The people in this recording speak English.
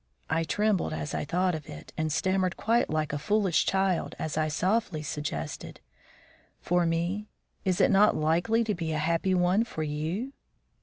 I trembled as I thought of it, and stammered quite like a foolish child as I softly suggested: "For me? Is it not likely to be a happy one for _you?